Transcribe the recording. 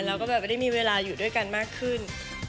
แล้วก็แบบได้มีเวลาอยู่ด้วยกันมากขึ้น